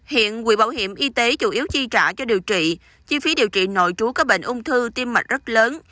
hiện quỹ bảo hiểm y tế chủ yếu chi trả cho điều trị chi phí điều trị nội trú các bệnh ung thư tim mạch rất lớn